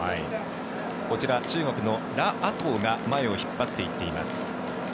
こちら中国のラ・アトウが前を引っ張っていっています。